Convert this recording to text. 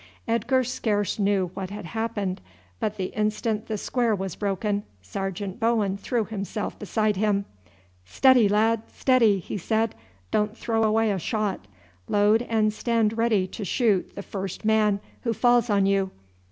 Edgar scarce knew what had happened, but the instant the square was broken Sergeant Bowen threw himself beside him. "Steady, lad, steady," he said, "don't throw away a shot; load and stand ready to shoot the first man who falls on you.